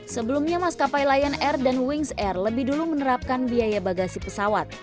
sebelumnya maskapai lion air dan wings air lebih dulu menerapkan biaya bagasi pesawat